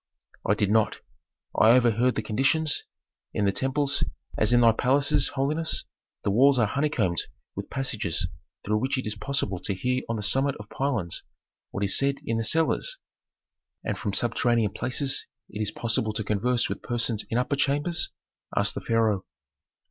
"I did not. I overheard the conditions. In the temples, as in thy palaces, holiness, the walls are honeycombed with passages through which it is possible to hear on the summit of pylons what is said in the cellars." "And from subterranean places it is possible to converse with persons in upper chambers?" asked the pharaoh.